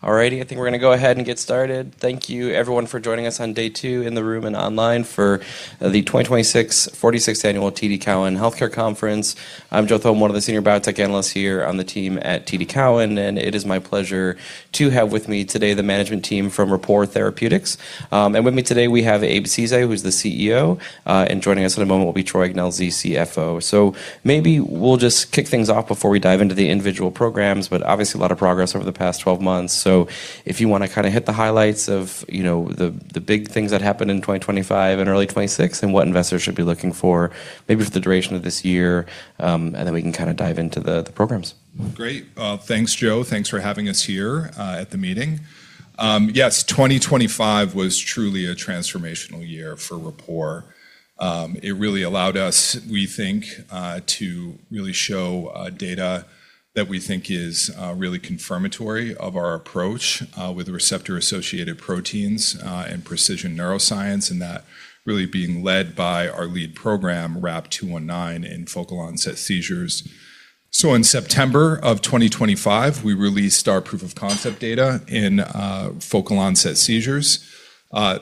All righty, I think we're gonna go ahead and get started. Thank you everyone for joining us on day two in the room and online for the 2026 46th annual TD Cowen Healthcare Conference. I'm Joe Thome, one of the Senior Biotech Analysts here on the team at TD Cowen. It is my pleasure to have with me today the management team from Rapport Therapeutics. With me today, we have Abe Ceesay, who's the CEO. Joining us in a moment will be Troy Ignelzi, CFO. Maybe we'll just kick things off before we dive into the individual programs, obviously a lot of progress over the past 12 months. If you wanna kinda hit the highlights of, you know, the big things that happened in 2025 and early 2026 and what investors should be looking for maybe for the duration of this year, and then we can kinda dive into the programs. Great. Thanks, Joe. Thanks for having us here at the meeting. Yes, 2025 was truly a transformational year for Rapport. It really allowed us, we think, to really show data that we think is really confirmatory of our approach with the receptor-associated proteins and precision neuroscience, and that really being led by our lead program, RAP-219, in focal-onset seizures. In September of 2025, we released our proof-of-concept data in focal-onset seizures.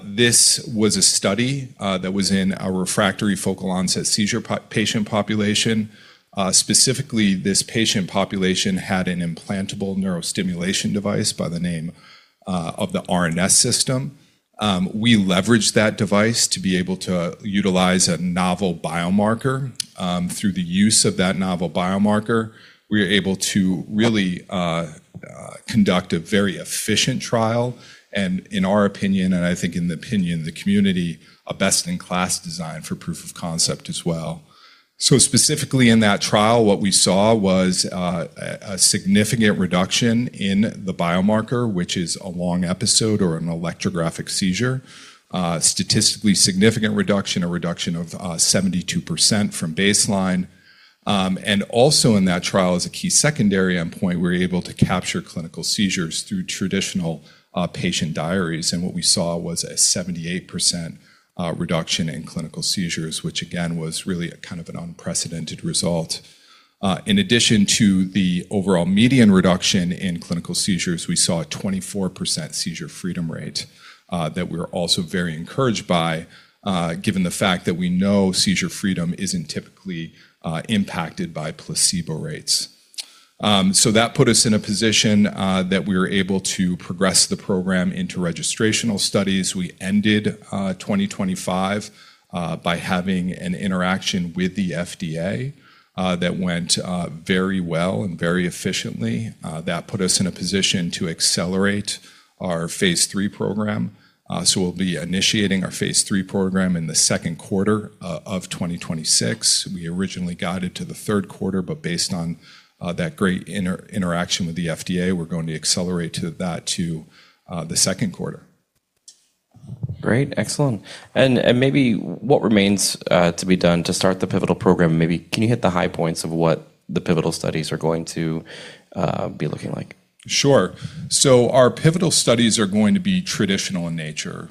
This was a study that was in a refractory focal-onset seizure patient population. Specifically, this patient population had an implantable neurostimulation device by the name of the RNS System. We leveraged that device to be able to utilize a novel biomarker. Through the use of that novel biomarker, we were able to really conduct a very efficient trial, and in our opinion, and I think in the opinion of the community, a best-in-class design for proof-of-concept as well. Specifically in that trial, what we saw was a significant reduction in the biomarker, which is a long episode or an electrographic seizure. Statistically significant reduction, a reduction of 72% from baseline. Also in that trial, as a key secondary endpoint, we were able to capture clinical seizures through traditional patient diaries, and what we saw was a 78% reduction in clinical seizures, which again, was really a kind of an unprecedented result. In addition to the overall median reduction in clinical seizures, we saw a 24% seizure freedom rate that we're also very encouraged by given the fact that we know seizure freedom isn't typically impacted by placebo rates. That put us in a position that we were able to progress the program into registrational studies. We ended 2025 by having an interaction with the FDA that went very well and very efficiently. That put us in a position to accelerate our phase III program. We'll be initiating our phase III program in the 2nd quarter of 2026. We originally guided to the 3rd quarter, but based on that great interaction with the FDA, we're going to accelerate to that to the 2nd quarter. Great. Excellent. Maybe what remains to be done to start the pivotal program, maybe can you hit the high points of what the pivotal studies are going to be looking like? Sure. Our pivotal studies are going to be traditional in nature.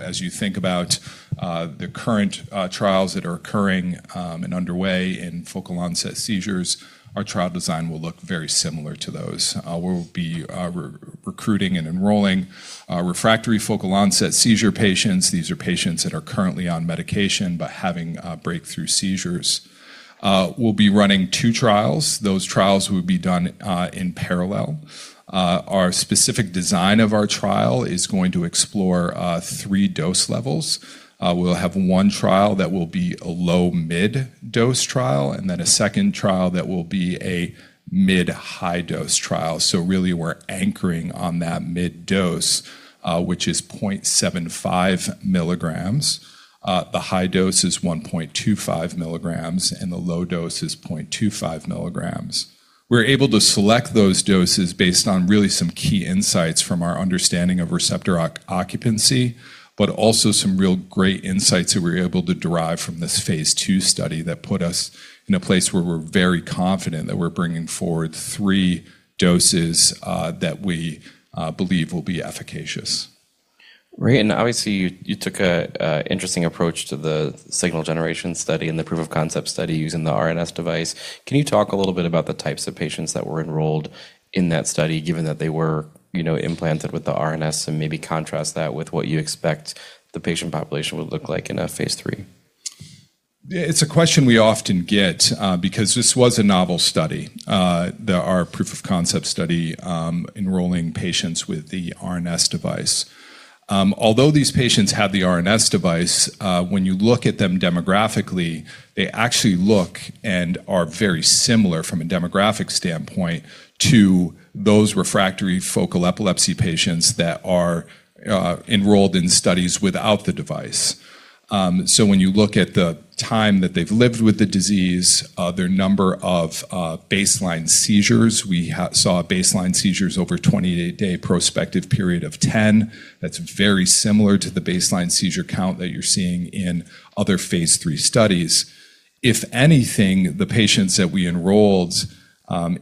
As you think about the current trials that are occurring and underway in focal-onset seizures, our trial design will look very similar to those. We'll be re-recruiting and enrolling refractory focal-onset seizure patients. These are patients that are currently on medication but having breakthrough seizures. We'll be running two trials. Those trials will be done in parallel. Our specific design of our trial is going to explore three dose levels. We'll have one trial that will be a low-mid dose trial, and then a second trial that will be a mid-high dose trial. Really, we're anchoring on that mid dose, which is 0.75 milligrams. The high dose is 1.25 milligrams, and the low dose is 0.25 milligrams. We're able to select those doses based on really some key insights from our understanding of receptor occupancy, but also some real great insights that we're able to derive from this phase II study that put us in a place where we're very confident that we're bringing forward three doses, that we believe will be efficacious. Right. Obviously, you took a interesting approach to the signal generation study and the proof-of-concept study using the RNS device. Can you talk a little bit about the types of patients that were enrolled in that study, given that they were, you know, implanted with the RNS, and maybe contrast that with what you expect the patient population would look like in a phase III? It's a question we often get because this was a novel study, our proof-of-concept study, enrolling patients with the RNS device. Although these patients had the RNS device, when you look at them demographically, they actually look and are very similar from a demographic standpoint to those refractory focal epilepsy patients that are enrolled in studies without the device. When you look at the time that they've lived with the disease, their number of baseline seizures, we saw baseline seizures over a 28-day prospective period of 10. That's very similar to the baseline seizure count that you're seeing in other phase III studies. If anything, the patients that we enrolled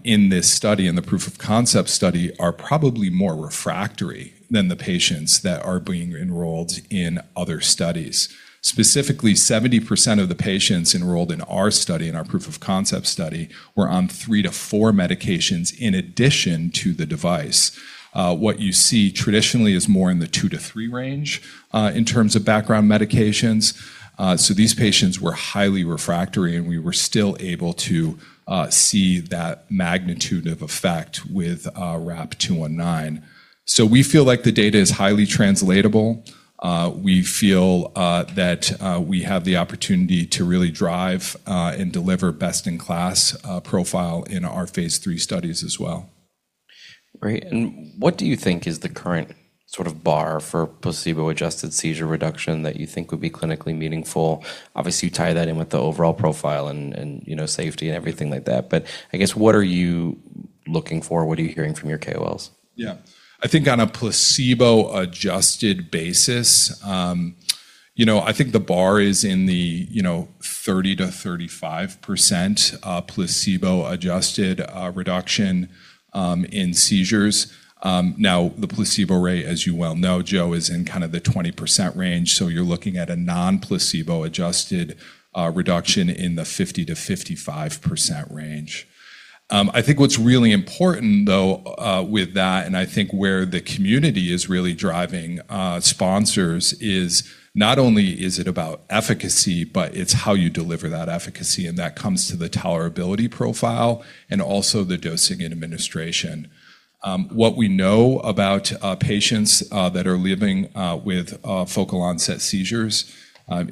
in this study, in the proof-of-concept study, are probably more refractory than the patients that are being enrolled in other studies. Specifically, 70% of the patients enrolled in our study, in our proof-of-concept study, were on three-four medications in addition to the device. What you see traditionally is more in the two-three range in terms of background medications. These patients were highly refractory, and we were still able to see that magnitude of effect with RAP-219. We feel like the data is highly translatable. We feel that we have the opportunity to really drive and deliver best-in-class profile in our phase III studies as well. Right. What do you think is the current sort of bar for placebo-adjusted seizure reduction that you think would be clinically meaningful? Obviously, you tie that in with the overall profile and, you know, safety and everything like that. I guess, what are you looking for? What are you hearing from your KOLs? Yeah. I think on a placebo-adjusted basis, you know, I think the bar is in the, you know, 30%-35% placebo-adjusted reduction in seizures. The placebo rate, as you well know, Joe, is in kind of the 20% range, so you're looking at a non-placebo adjusted reduction in the 50%-55% range. I think what's really important, though, with that, and I think where the community is really driving sponsors is not only is it about efficacy, but it's how you deliver that efficacy, and that comes to the tolerability profile and also the dosing and administration. What we know about patients that are living with focal-onset seizures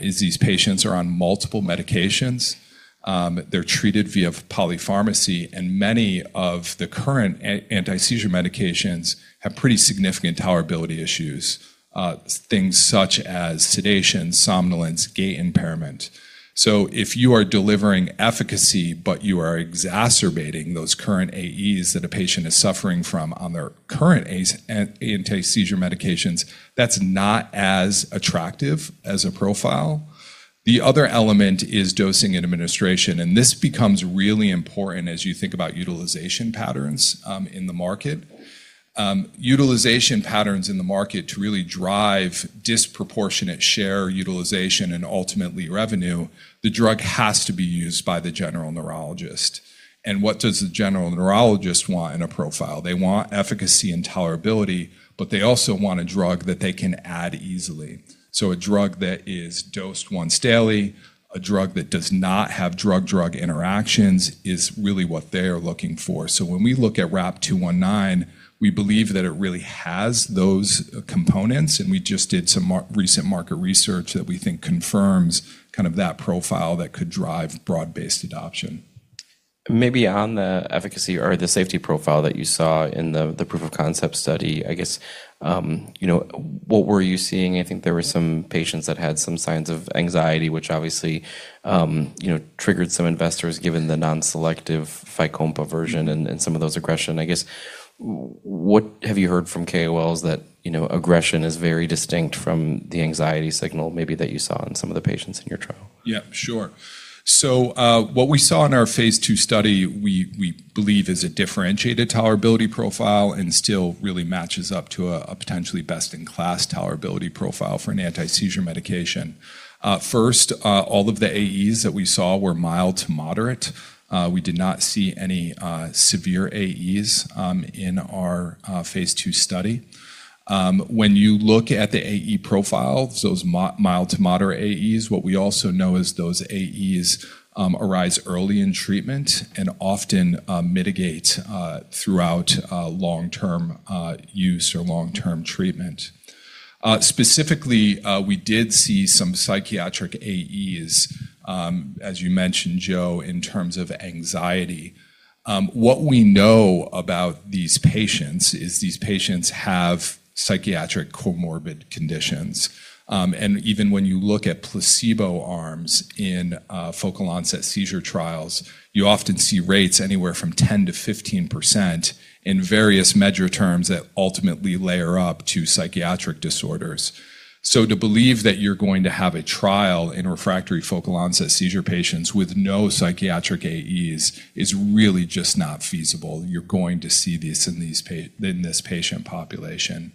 is these patients are on multiple medications. They're treated via polypharmacy, and many of the current antiseizure medications have pretty significant tolerability issues, things such as sedation, somnolence, gait impairment. If you are delivering efficacy, but you are exacerbating those current AEs that a patient is suffering from on their current antiseizure medications, that's not as attractive as a profile. The other element is dosing and administration, and this becomes really important as you think about utilization patterns in the market. Utilization patterns in the market to really drive disproportionate share utilization and ultimately revenue, the drug has to be used by the general neurologist. What does the general neurologist want in a profile? They want efficacy and tolerability, but they also want a drug that they can add easily. A drug that is dosed once daily, a drug that does not have drug-drug interactions is really what they are looking for. When we look at RAP-219, we believe that it really has those components, and we just did some recent market research that we think confirms kind of that profile that could drive broad-based adoption. Maybe on the efficacy or the safety profile that you saw in the proof of concept study, I guess, you know, what were you seeing? I think there were some patients that had some signs of anxiety, which obviously, you know, triggered some investors given the non-selective Fycompa version and some of those aggression. I guess, what have you heard from KOLs that, you know, aggression is very distinct from the anxiety signal maybe that you saw in some of the patients in your trial? Yeah, sure. What we saw in our phase II study, we believe is a differentiated tolerability profile and still really matches up to a potentially best-in-class tolerability profile for an anti-seizure medication. First, all of the AEs that we saw were mild to moderate. We did not see any severe AEs in our phase II study. When you look at the AE profile, it was mild to moderate AEs, what we also know is those AEs arise early in treatment and often mitigate throughout long-term use or long-term treatment. Specifically, we did see some psychiatric AEs as you mentioned, Joe, in terms of anxiety. What we know about these patients is these patients have psychiatric comorbid conditions. Even when you look at placebo arms in focal onset seizure trials, you often see rates anywhere from 10%-15% in various MedDRA terms that ultimately layer up to psychiatric disorders. To believe that you're going to have a trial in refractory focal onset seizure patients with no psychiatric AEs is really just not feasible. You're going to see this in this patient population.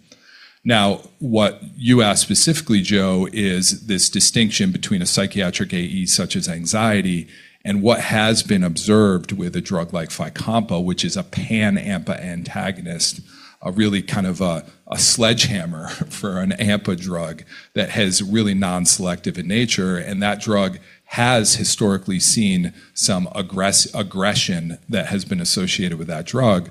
What you asked specifically, Joe Thome, is this distinction between a psychiatric AE such as anxiety and what has been observed with a drug like Fycompa, which is a pan-AMPA antagonist, a really kind of a sledgehammer for an AMPA drug that is really non-selective in nature, and that drug has historically seen some aggression that has been associated with that drug.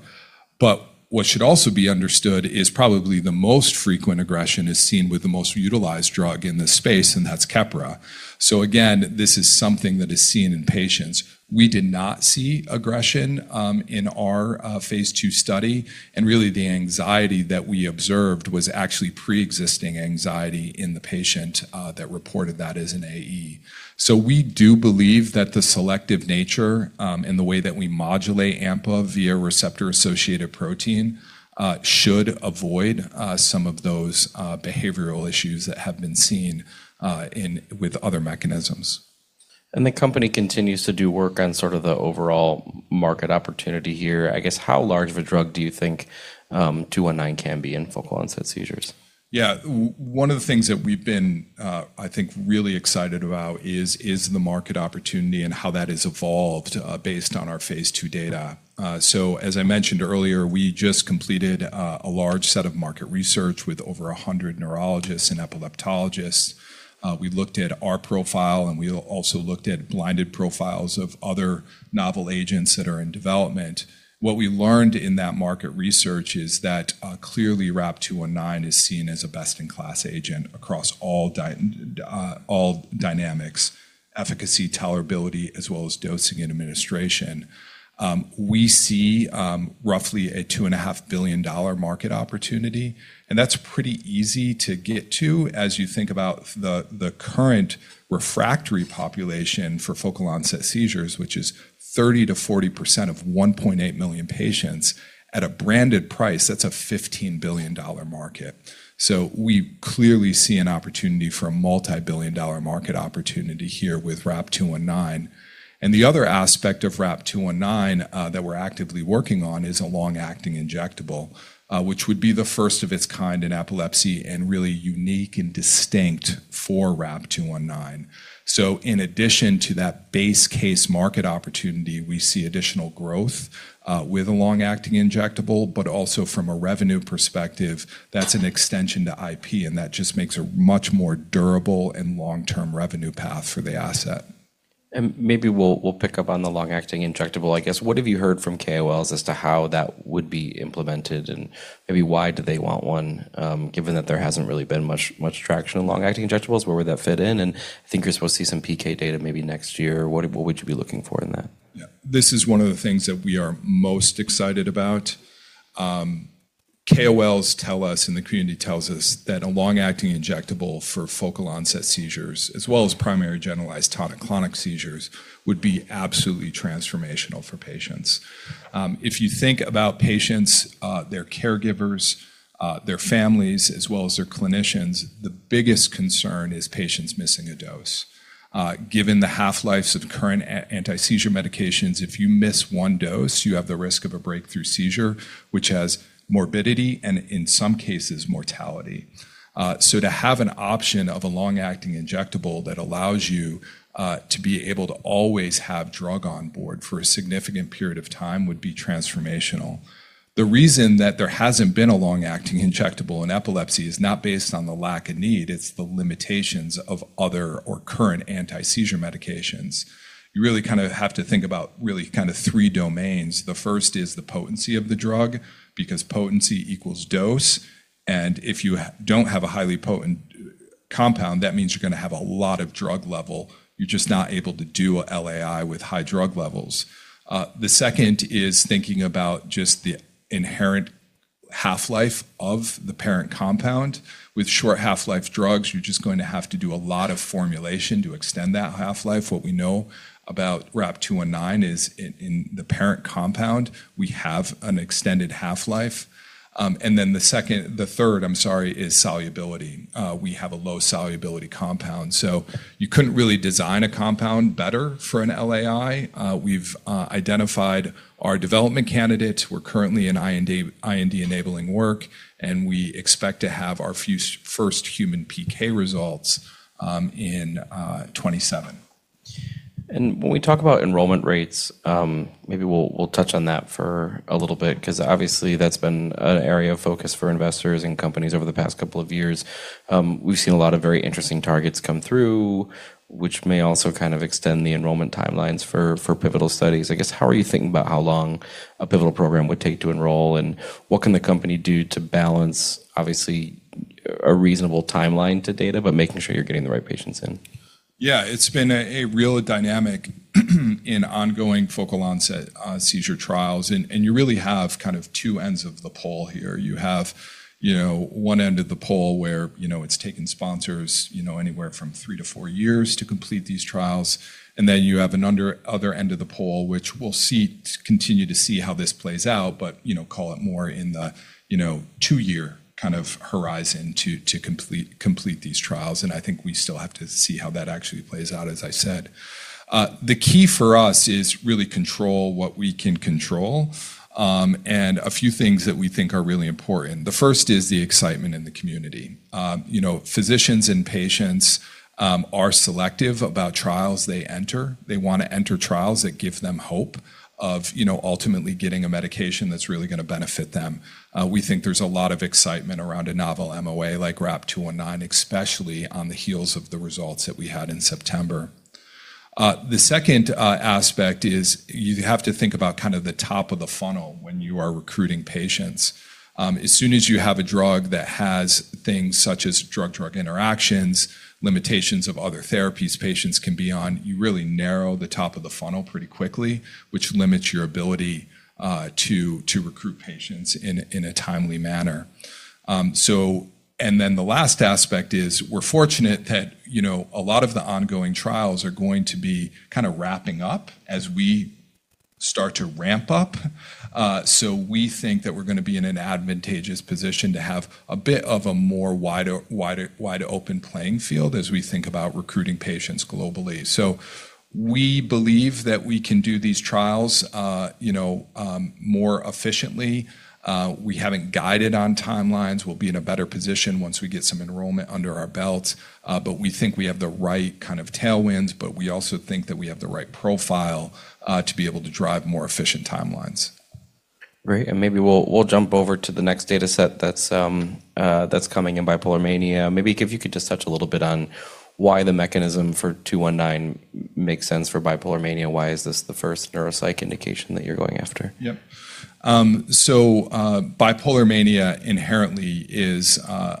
What should also be understood is probably the most frequent aggression is seen with the most utilized drug in this space, and that's Keppra. Again, this is something that is seen in patients. We did not see aggression in our phase II study, and really the anxiety that we observed was actually preexisting anxiety in the patient that reported that as an AE. We do believe that the selective nature and the way that we modulate AMPA via receptor-associated protein should avoid some of those behavioral issues that have been seen with other mechanisms. The company continues to do work on sort of the overall market opportunity here. I guess how large of a drug do you think, 219 can be in focal-onset seizures? Yeah. One of the things that we've been, I think really excited about is the market opportunity and how that has evolved, based on our phase II data. As I mentioned earlier, we just completed a large set of market research with over 100 neurologists and epileptologists. We looked at our profile, and we also looked at blinded profiles of other novel agents that are in development. What we learned in that market research is that, clearly RAP-219 is seen as a best-in-class agent across all dynamics: efficacy, tolerability, as well as dosing and administration. We see roughly a $2.5 billion market opportunity. That's pretty easy to get to as you think about the current refractory population for focal-onset seizures, which is 30%-40% of 1.8 million patients. At a branded price, that's a $15 billion market. We clearly see an opportunity for a multi-billion dollar market opportunity here with RAP-219. The other aspect of RAP-219 that we're actively working on is a long-acting injectable, which would be the first of its kind in epilepsy and really unique and distinct for RAP-219. In addition to that base case market opportunity, we see additional growth with a long-acting injectable, but also from a revenue perspective, that's an extension to IP, and that just makes a much more durable and long-term revenue path for the asset. Maybe we'll pick up on the long-acting injectable. I guess, what have you heard from KOLs as to how that would be implemented? Maybe why do they want one, given that there hasn't really been much traction in long-acting injectables? Where would that fit in? I think you're supposed to see some PK data maybe next year. What would you be looking for in that? Yeah. This is one of the things that we are most excited about. KOLs tell us and the community tells us that a long-acting injectable for focal-onset seizures, as well as primary generalized tonic-clonic seizures, would be absolutely transformational for patients. If you think about patients, their caregivers, their families, as well as their clinicians, the biggest concern is patients missing a dose. Given the half-lives of current Anti-Seizure Medications, if you miss one dose, you have the risk of a breakthrough seizure, which has morbidity and in some cases mortality. To have an option of a long-acting injectable that allows you to be able to always have drug on board for a significant period of time would be transformational. The reason that there hasn't been a long-acting injectable in epilepsy is not based on the lack of need, it's the limitations of other or current anti-seizure medications. You really kind of have to think about really kind of three domains. The first is the potency of the drug, because potency equals dose, and if you don't have a highly potent compound, that means you're going to have a lot of drug level. You're just not able to do a LAI with high drug levels. The second is thinking about just the inherent half-life of the parent compound. With short half-life drugs, you're just going to have to do a lot of formulation to extend that half-life. What we know about RAP-219 is in the parent compound, we have an extended half-life. The third, I'm sorry, is solubility. We have a low solubility compound. You couldn't really design a compound better for an LAI. We've identified our development candidates. We're currently in IND-enabling work, and we expect to have our first human PK results in 2027. When we talk about enrollment rates, maybe we'll touch on that for a little bit because obviously that's been an area of focus for investors and companies over the past couple of years. We've seen a lot of very interesting targets come through, which may also kind of extend the enrollment timelines for pivotal studies. I guess, how are you thinking about how long a pivotal program would take to enroll, and what can the company do to balance obviously a reasonable timeline to data, but making sure you're getting the right patients in? Yeah. It's been a real dynamic in ongoing focal-onset seizure trials. You really have kind of two ends of the pole here. You have, you know, one end of the pole where, you know, it's taken sponsors, you know, anywhere from three-four years to complete these trials. You have an other end of the pole, which we'll see, continue to see how this plays out, but, you know, call it more in the, you know, two-year kind of horizon to complete these trials. I think we still have to see how that actually plays out, as I said. The key for us is really control what we can control, and a few things that we think are really important. The first is the excitement in the community. You know, physicians and patients are selective about trials they enter. They want to enter trials that give them hope of, you know, ultimately getting a medication that's really gonna benefit them. We think there's a lot of excitement around a novel MOA like RAP-219, especially on the heels of the results that we had in September. The second aspect is you have to think about kind of the top of the funnel when you are recruiting patients. As soon as you have a drug that has things such as drug-drug interactions, limitations of other therapies patients can be on, you really narrow the top of the funnel pretty quickly, which limits your ability to recruit patients in a timely manner. The last aspect is we're fortunate that, you know, a lot of the ongoing trials are going to be kind of wrapping up as we start to ramp up. We think that we're going to be in an advantageous position to have a bit of a more wider, wide open playing field as we think about recruiting patients globally. We believe that we can do these trials, you know, more efficiently. We haven't guided on timelines. We'll be in a better position once we get some enrollment under our belt. We think we have the right kind of tailwinds, but we also think that we have the right profile to be able to drive more efficient timelines. Great. Maybe we'll jump over to the next data set that's coming in bipolar mania. Maybe if you could just touch a little bit on why the mechanism for 219 makes sense for bipolar mania. Why is this the first neuropsych indication that you're going after? Yep. Bipolar mania inherently is a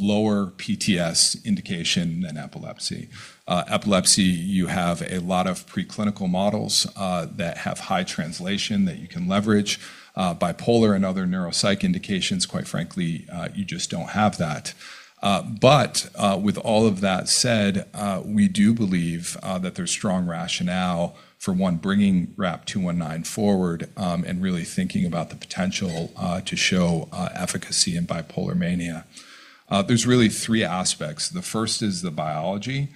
lower PTS indication than epilepsy. Epilepsy, you have a lot of preclinical models that have high translation that you can leverage. Bipolar and other neuropsych indications, quite frankly, you just don't have that. With all of that said, we do believe that there's strong rationale for one, bringing RAP-219 forward, and really thinking about the potential to show efficacy in bipolar mania. There's really three aspects. The first is the biology.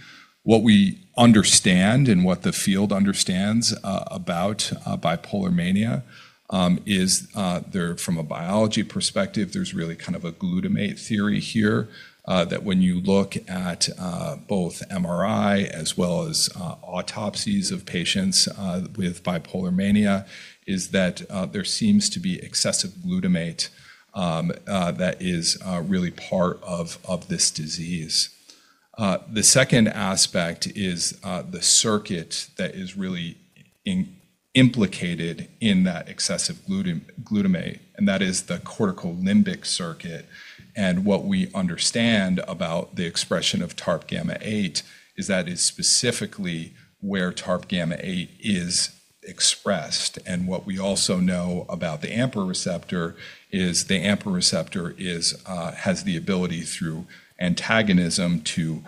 What we understand and what the field understands about bipolar mania is, from a biology perspective, there's really kind of a glutamate theory here, that when you look at both MRI as well as autopsies of patients with bipolar mania, is that there seems to be excessive glutamate that is really part of this disease. The second aspect is the circuit that is really implicated in that excessive glutamate, and that is the cortical limbic circuit. What we understand about the expression of TARP gamma-8 is that is specifically where TARP gamma-8 is expressed. What we also know about the AMPA receptor is the AMPA receptor has the ability through antagonism to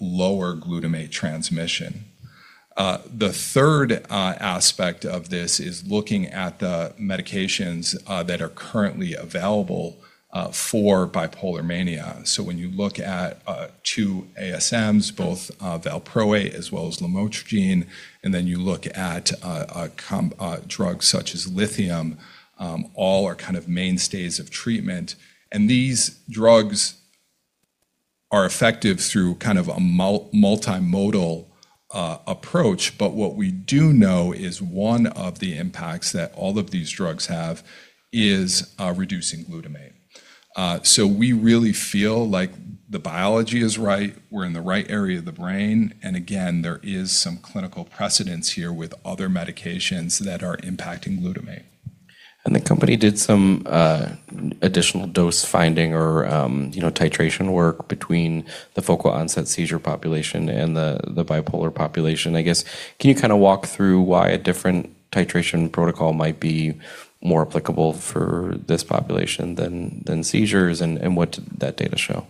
lower glutamate transmission. The third aspect of this is looking at the medications that are currently available for bipolar mania. When you look at two ASMs, both Valproate as well as Lamotrigine, and then you look at a drug such as lithium, all are kind of mainstays of treatment. These drugs are effective through kind of a multimodal approach. What we do know is one of the impacts that all of these drugs have is reducing glutamate. We really feel like the biology is right, we're in the right area of the brain, and again, there is some clinical precedence here with other medications that are impacting glutamate. The company did some additional dose finding or, you know, titration work between the focal-onset seizure population and the bipolar population. I guess, can you kind of walk through why a different titration protocol might be more applicable for this population than seizures, and what did that data show?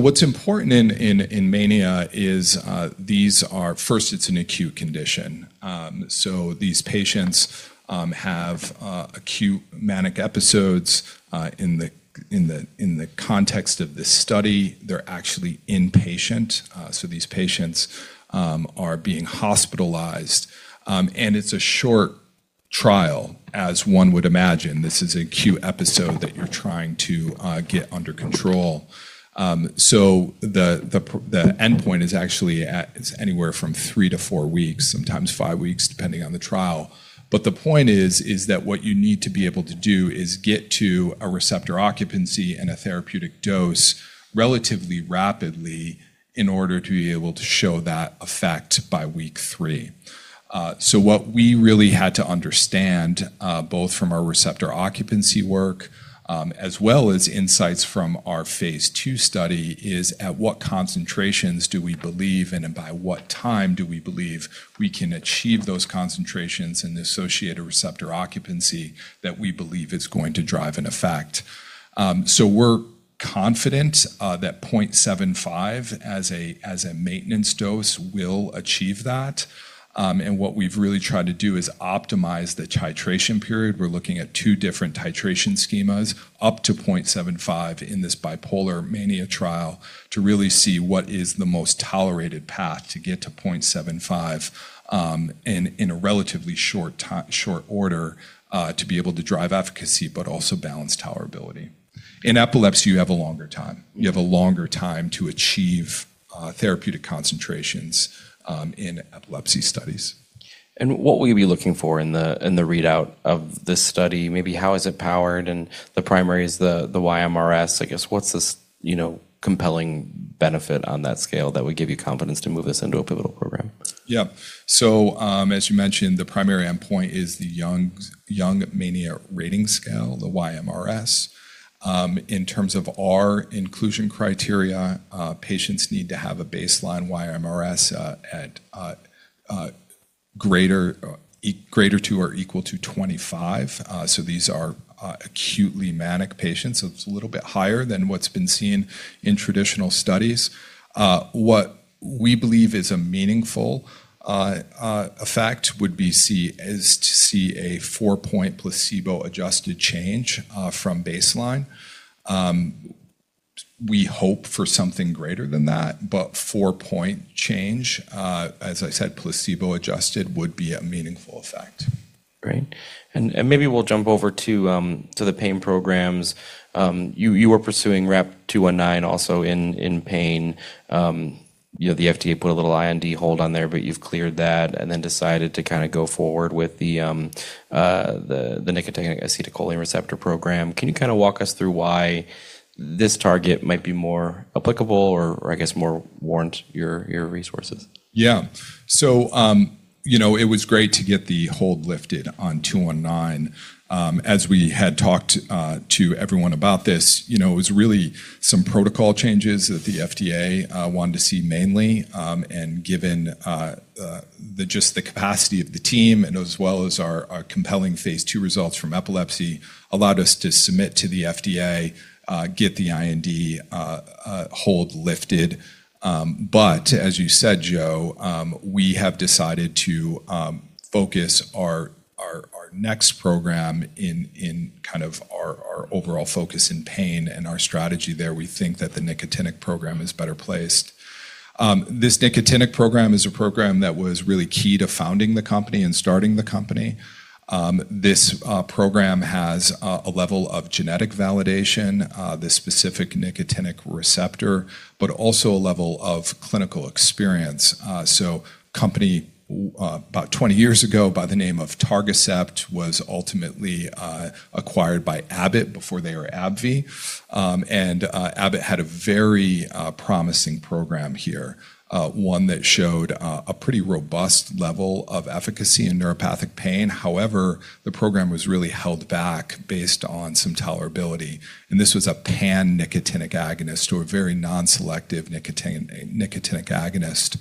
What's important in mania is, First, it's an acute condition. These patients have acute manic episodes. In the context of this study, they're actually inpatient. These patients are being hospitalized. It's a short trial, as one would imagine. This is an acute episode that you're trying to get under control. The endpoint is anywhere from three-four weeks, sometimes five weeks, depending on the trial. The point is that what you need to be able to do is get to a receptor occupancy and a therapeutic dose relatively rapidly in order to be able to show that effect by week three. What we really had to understand, both from our receptor occupancy work, as well as insights from our phase II study, is at what concentrations do we believe and by what time do we believe we can achieve those concentrations and the associated receptor occupancy that we believe is going to drive an effect. We're confident that 0.75 as a maintenance dose will achieve that. What we've really tried to do is optimize the titration period. We're looking at two different titration schemas up to 0.75 in this bipolar mania trial to really see what is the most tolerated path to get to 0.75, in a relatively short order, to be able to drive efficacy but also balance tolerability. In epilepsy, you have a longer time. You have a longer time to achieve therapeutic concentrations in epilepsy studies. What will you be looking for in the readout of this study? Maybe how is it powered and the primaries, the YMRS, I guess, what's the you know, compelling benefit on that scale that would give you confidence to move this into a pivotal program? Yeah. As you mentioned, the primary endpoint is the Young Mania Rating Scale, the YMRS. In terms of our inclusion criteria, patients need to have a baseline YMRS at greater to or equal to 25. These are acutely manic patients. It's a little bit higher than what's been seen in traditional studies. What we believe is a meaningful effect would be to see a four-point placebo-adjusted change from baseline. We hope for something greater than that, but four-point change, as I said, placebo-adjusted, would be a meaningful effect. Great. Maybe we'll jump over to the pain programs. You were pursuing RAP-219 also in pain. You know, the FDA put a little IND hold on there, but you've cleared that and then decided to kinda go forward with the nicotinic acetylcholine receptor program. Can you kinda walk us through why this target might be more applicable or I guess more warrant your resources? You know, it was great to get the hold lifted on 219. As we had talked to everyone about this, you know, it was really some protocol changes that the FDA wanted to see mainly, and given just the capacity of the team and as well as our compelling phase II results from epilepsy allowed us to submit to the FDA, get the IND hold lifted. As you said, Joe, we have decided to focus our next program in kind of our overall focus in pain and our strategy there. We think that the nicotinic program is better placed. This nicotinic program is a program that was really key to founding the company and starting the company. This program has a level of genetic validation, the specific nicotinic receptor, but also a level of clinical experience. Company about 20 years ago by the name of Targacept was ultimately acquired by Abbott before they were AbbVie. Abbott had a very promising program here, one that showed a pretty robust level of efficacy in neuropathic pain. However, the program was really held back based on some tolerability, and this was a pan-nicotinic agonist or a very non-selective nicotinic agonist.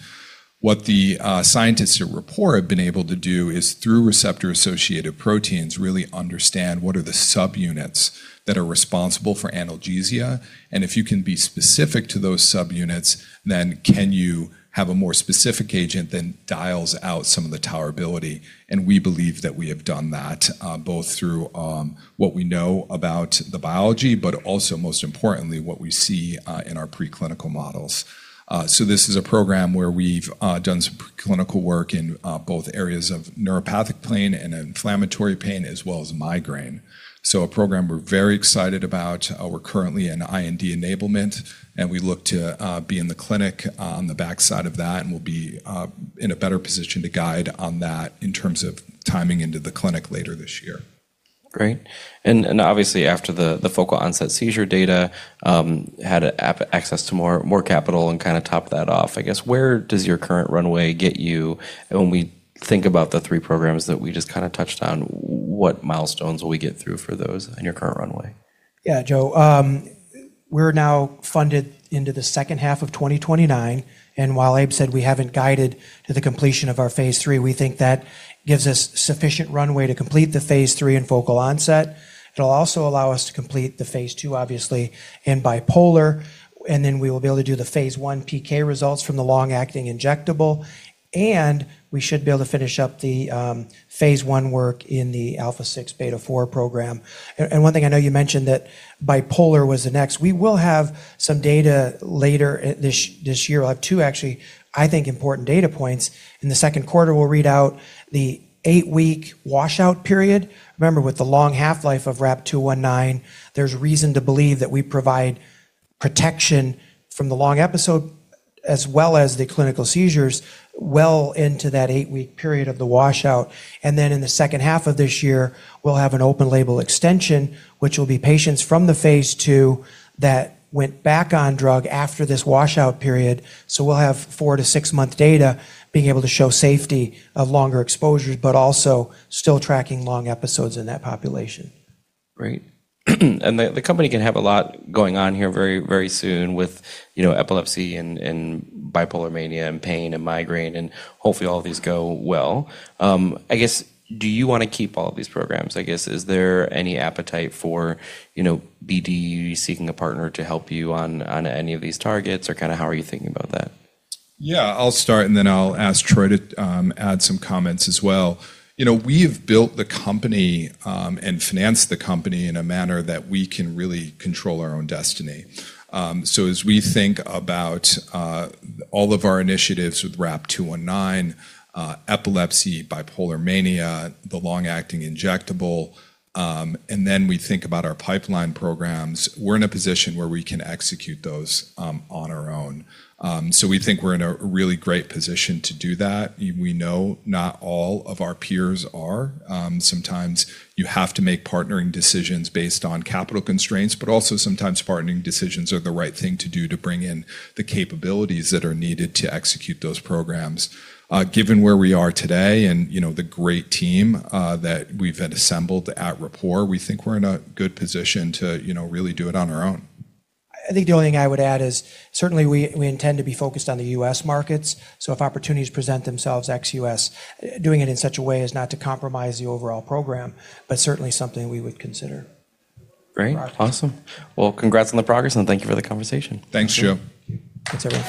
What the scientists at Rapport have been able to do is through receptor-associated proteins, really understand what are the subunits that are responsible for analgesia, and if you can be specific to those subunits, then can you have a more specific agent than dials out some of the tolerability? We believe that we have done that, both through what we know about the biology, but also most importantly, what we see in our preclinical models. This is a program where we've done some preclinical work in both areas of neuropathic pain and inflammatory pain, as well as migraine. A program we're very excited about. We're currently in IND enablement, and we look to be in the clinic on the backside of that, and we'll be in a better position to guide on that in terms of timing into the clinic later this year. Great. Obviously, after the focal-onset seizure data, had access to more capital and kinda top that off, I guess, where does your current runway get you when we think about the three programs that we just kinda touched on, what milestones will we get through for those in your current runway? Yeah, Joe. We're now funded into the second half of 2029. While Abe said we haven't guided to the completion of our phase III, we think that gives us sufficient runway to complete the phase III in focal onset. It'll also allow us to complete the phase II, obviously, in bipolar. Then we will be able to do the phase I PK results from the long-acting injectable. We should be able to finish up the phase I work in the α6β4 program. One thing I know you mentioned that bipolar was the next. We will have some data later this year. We'll have two, actually, I think, important data points. In the second quarter, we'll read out the eight-week washout period. Remember, with the long half-life of RAP-219, there's reason to believe that we provide protection from the long episode as well as the clinical seizures well into that eight-week period of the washout. In the second half of this year, we'll have an open label extension, which will be patients from the phase II that went back on drug after this washout period. We'll have four-six-month data being able to show safety of longer exposures, but also still tracking long episodes in that population. Great. The company can have a lot going on here very, very soon with, you know, epilepsy and bipolar mania and pain and migraine, and hopefully all of these go well. I guess, do you wanna keep all of these programs? I guess, is there any appetite for, you know, BD seeking a partner to help you on any of these targets, or kinda how are you thinking about that? Yeah. I'll start, and then I'll ask Troy to add some comments as well. You know, we've built the company and financed the company in a manner that we can really control our own destiny. As we think about all of our initiatives with RAP-219, epilepsy, bipolar mania, the long-acting injectable, and then we think about our pipeline programs, we're in a position where we can execute those on our own. We think we're in a really great position to do that. We know not all of our peers are. Sometimes you have to make partnering decisions based on capital constraints, but also sometimes partnering decisions are the right thing to do to bring in the capabilities that are needed to execute those programs. Given where we are today and, you know, the great team that we've had assembled at Rapport, we think we're in a good position to, you know, really do it on our own. I think the only thing I would add is certainly we intend to be focused on the U.S. markets. If opportunities present themselves ex-U.S., doing it in such a way as not to compromise the overall program, but certainly something we would consider. Great. Awesome. Well, congrats on the progress, and thank you for the conversation. Thanks, Joe. Thanks, everyone.